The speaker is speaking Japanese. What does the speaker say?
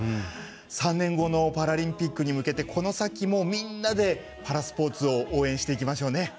３年後のパラリンピックに向けてこの先もみんなで、パラスポーツを応援していきましょうね。